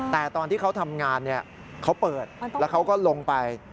แต่ตอนที่เขาทำงานเขาเปิดแล้วเขาก็ลงไป